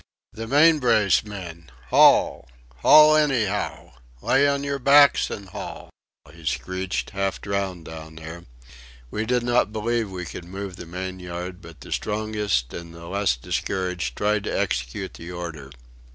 "The main brace, men. Haul! haul anyhow! Lay on your backs and haul!" he screeched, half drowned down there. We did not believe we could move the main yard, but the strongest and the less discouraged tried to execute the order.